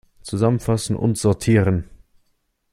Zusammenfassen und sortieren!